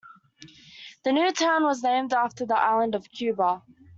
The new town was named after the island of Cuba.